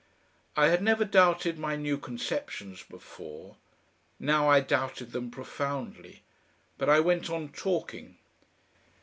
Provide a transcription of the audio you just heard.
I had never doubted my new conceptions before; now I doubted them profoundly. But I went on talking.